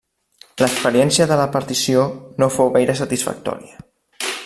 L'experiència de la partició no fou gaire satisfactòria.